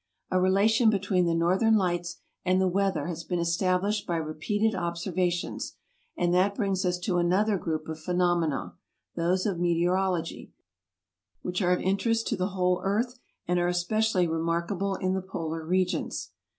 A relation between the northern lights and the weather has been established by repeated observations, and that brings us to another group of phenomena, those of meteor ology, which are of interest to the whole earth, and are especially remarkable in the polar regions.